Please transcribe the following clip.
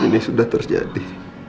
ini sudah terjadi